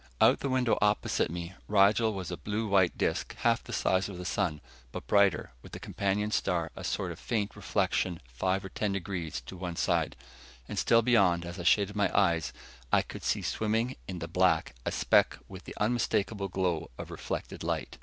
Out the window opposite me, Rigel was a blue white disk half the size of the sun, but brighter, with the companion star a sort of faint reflection five or ten degrees to the side. And still beyond, as I shaded my eyes, I could see swimming in the black a speck with the unmistakable glow of reflected light.